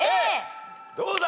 どうだ？